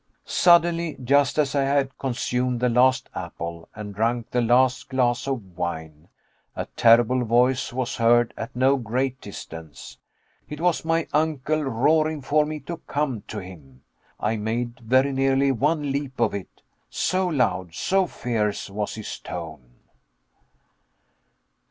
Suddenly, just as I had consumed the last apple and drunk the last glass of wine, a terrible voice was heard at no great distance. It was my uncle roaring for me to come to him. I made very nearly one leap of it so loud, so fierce was his tone.